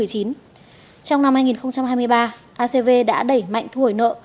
trong năm hai nghìn hai mươi ba acv đã đẩy mạnh thu hồi nợ